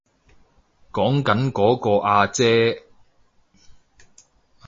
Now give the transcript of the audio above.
講緊嗰個阿姐